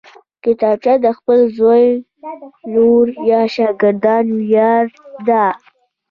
کتابچه د خپل زوی، لور یا شاګرد ویاړ ده